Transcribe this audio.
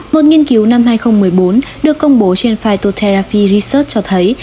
một nghiên cứu năm hai nghìn một mươi bốn được công bố trên fitoteraffi research cho thấy